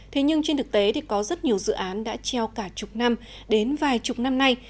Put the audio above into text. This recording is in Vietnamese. thế nhưng trên thực tế thì có rất nhiều dự án đã treo cả chục năm đến vài chục năm nay